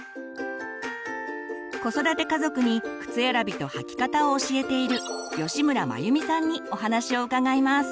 子育て家族に靴選びと履き方を教えている吉村眞由美さんにお話を伺います。